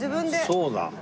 そうだ。